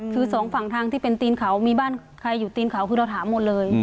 คือสองฝั่งทางที่เป็นตีนเขามีบ้านใครอยู่ตีนเขาคือเราถามหมดเลย